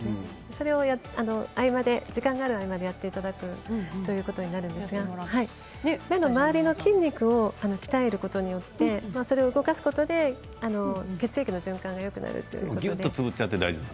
それを時間のある合間にやっていただくということになるんですが目の周りの筋肉を鍛えることによって、それを動かすことで血液の循環がよくなるので。